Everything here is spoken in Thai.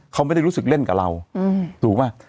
เขาไม่ได้รู้สึกเล่นกับเราถูกป่ะ